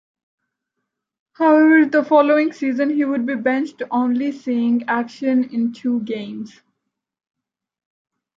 However, the following season he would be benched, only seeing action in two games.